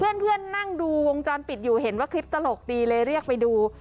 เพื่อนนั่งดูวงจรปิดอยู่เห็นว่าคลิปตลกตีเลยเรียกไปดู